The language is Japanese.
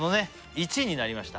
１位になりました